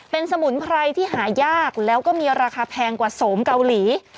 เป็นสมุนไพรที่หายากแล้วก็มีราคาแพงกว่าโสมเกาหลี